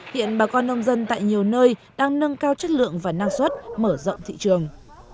hiện bà con nông dân tại nhiều nơi đang nâng cao chất lượng và năng suất mở rộng thị trường